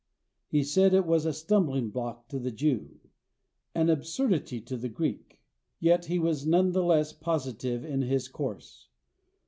He said it was a stumbling block to the Jew, an absurdity to the Greek; yet he was none the less positive in his course.